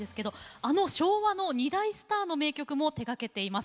あの昭和の２大スターの名曲も手がけています。